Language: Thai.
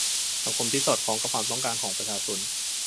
สังคมที่สอดคล้องกับความต้องการของประชาชน